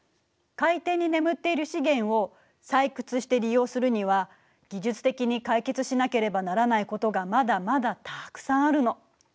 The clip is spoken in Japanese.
海底に眠っている資源を採掘して利用するには技術的に解決しなければならないことがまだまだたくさんあるの。